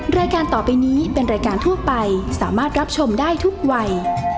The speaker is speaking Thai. รายการต่อไปนี้เป็นรายการทั่วไปสามารถรับชมได้ทุกวัย